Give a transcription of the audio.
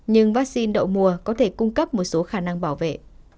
nhưng vaccine đậu mùa có thể cung cấp một số khả năng bảo vệ